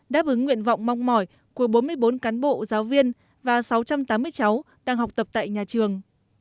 đáp ứng nguyện vọng mong mỏi của bốn mươi bốn cán bộ giáo viên và sáu trăm tám mươi cháu đang học tập tại nhà trường